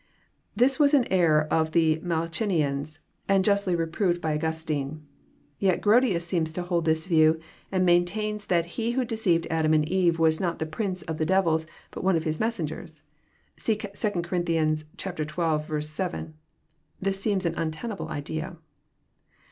This was an error of the Manicheans, and justly reproved by Augustine. Yet Grotius seems to hold this view, and maintaina that he who deceived Adam and Eve was not the prince of the devils, but one of his messengers I (See S Cor. zii. 7.) This seems an untenable idea.